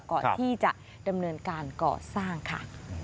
ก่อนที่จะดำเนินการก่อสร้างค่ะ